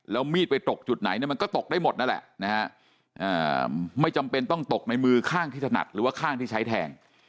แล้วมีดไปตกจุดไหนเนี่ยมันก็ตกได้หมดนั่นแหละนะฮะไม่จำเป็นต้องตกในมือข้างที่ถนัดหรือว่าข้างที่ใช้แทง